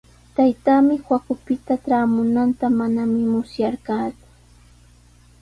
Taytaami Huacupita traamunanta manami musyarqaaku.